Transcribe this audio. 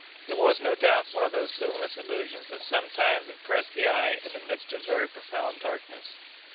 It was, no doubt, one of those luminous illusions that sometimes impress the eye in the midst of very profound darkness.